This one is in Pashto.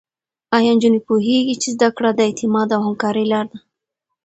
ایا نجونې پوهېږي چې زده کړه د اعتماد او همکارۍ لاره ده؟